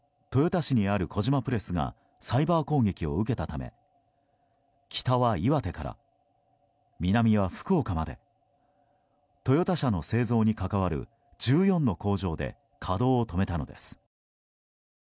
豊田市にある小島プレスがサイバー攻撃を受けたため北は岩手から南は福岡までトヨタ車の製造に関わる１４の工場で稼働を止めたのです。